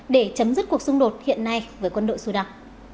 để chấm dứt cuộc xung đột hiện nay với quân đội sudan